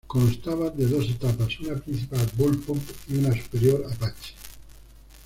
Constaba de dos etapas, una principal Bullpup y una superior Apache.